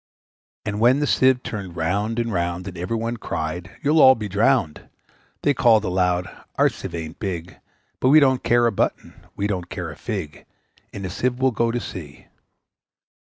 And when the Sieve turned round and round, And every one cried, `You'll all be drowned!' They called aloud, `Our Sieve ain't big, But we don't care a button! we don't care a fig! In a Sieve we'll go to sea!'